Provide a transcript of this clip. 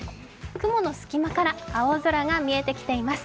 雲の隙間から青空が見えてきています。